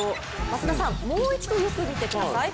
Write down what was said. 松田さん、もう一度よく見てください。